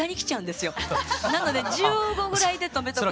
なので１５ぐらいで止めとくと。